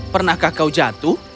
pernahkah kau jatuh